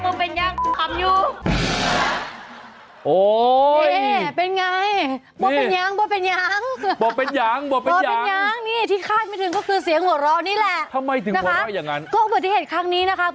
บอกเป็นยั้งบอกเป็นยั้งที่คาดไม่ถึงก็คือเสียงหัวเรา้นี่แหละนะคะก็อุบัติเทศครั้งนี้นะคะ